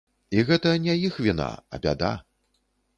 І гэта не іх віна, а бяда.